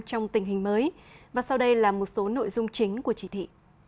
trong tình hình mới và sau đây là một số nội dung chính của chỉ thị